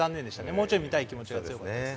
もうちょい見たい気持ちが強かったです。